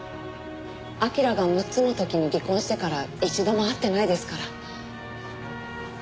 彬が６つの時に離婚してから一度も会ってないですから。